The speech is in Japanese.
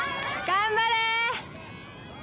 頑張れ！